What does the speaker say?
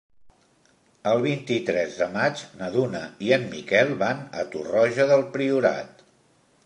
El vint-i-tres de maig na Duna i en Miquel van a Torroja del Priorat.